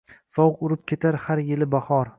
Sovuq urib ketar har yili bahor.